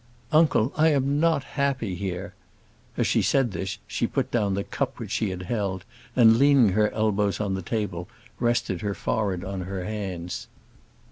"Uncle, I am not happy here." As she said this, she put down the cup which she had held, and, leaning her elbows on the table, rested her forehead on her hands.